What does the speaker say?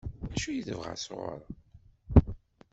D acu i tebɣa sɣur-m?